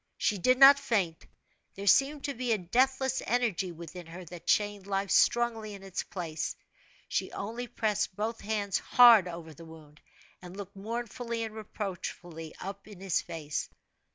She did not faint there seemed to be a deathless energy within her that chained life strongly in its place she only pressed both hands hard over the wound, and looked mournfully and reproachfully up in his face.